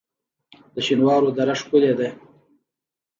د شینوارو دره ښکلې ده